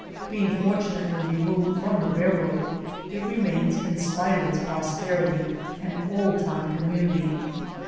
Being fortunately re moved from the railroad, it remains, in spite of its prosperity, an old time community.